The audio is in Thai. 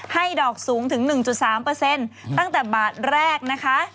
ให้ดอกสูงถึง๑๓ตั้งแต่บาทแรกนะคะ